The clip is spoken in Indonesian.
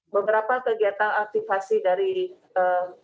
beberapa kegiatan aktifasi dari kepala satgas